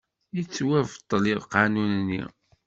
Yettwabṭel lqanun-nni.